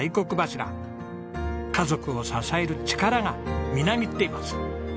家族を支える力がみなぎっています。